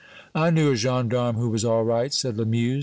"I knew a gendarme who was all right," said Lamuse.